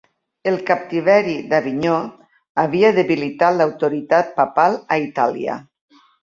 El captiveri d'Avinyó havia debilitat l'autoritat papal a Itàlia.